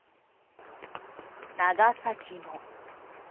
長崎も。